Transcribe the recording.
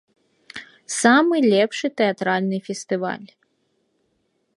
Самы лепшы тэатральны фестываль!